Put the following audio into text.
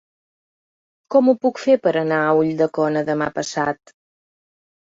Com ho puc fer per anar a Ulldecona demà passat?